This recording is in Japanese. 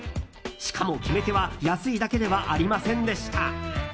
しかも決め手は安いだけではありませんでした。